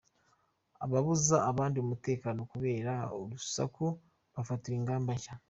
Ababuza abandi umutekano kubera urusaku bafatiwe ingamba nshya